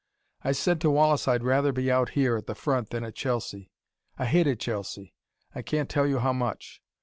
I said to Wallace I'd rather be out here, at the front, than at Chelsea. I hated Chelsea I can't tell you how much.